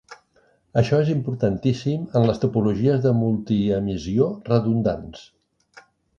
Això és importantíssim en les topologies de multiemisió redundants.